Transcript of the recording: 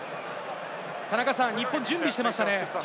田中さん、日本は準備していましたね。